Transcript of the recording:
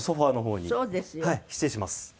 失礼します。